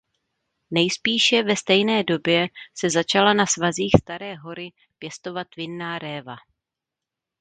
Nejspíše ve stejné době se začala na svazích Staré hory pěstovat vinná réva.